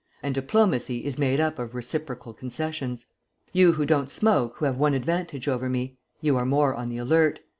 And diplomacy is made up of reciprocal concessions. You who don't smoke have one advantage over me, you are more on the alert.